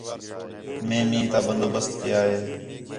مے مینہ تا بندوبست کیا ہِے